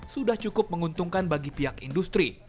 sudah cukup menguntungkan bagi pihak industri